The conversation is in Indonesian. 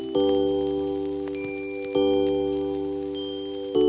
jangan l simple